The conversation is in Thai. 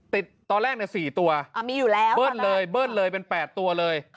ติดตอนแรกเนี่ย๔ตัวเปิดเลยเปิดเลยเป็น๘ตัวเลย